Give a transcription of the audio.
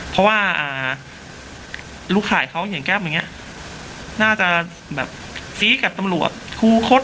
เพราะว่าลูกข่ายเขาเหยียงแก้บอย่างเงี้ยน่าจะซีกกับตำรวจคู่คต